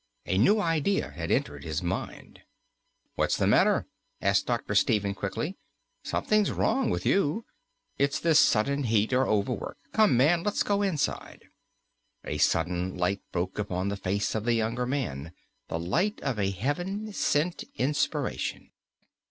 A new idea had entered his mind. "What's the matter?" asked Dr. Stephen quickly. "Something's wrong with you. It's this sudden heat, or overwork. Come, man, let's go inside." A sudden light broke upon the face of the younger man, the light of a heaven sent inspiration.